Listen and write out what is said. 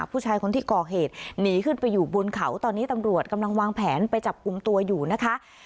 ผู้ชายคนที่ก่อเหตุหนีขึ้นไปอยู่บนเขาตอนนี้ตำรวจกำลังวางแผนไปจับกลุ่มตัวอยู่นะคะ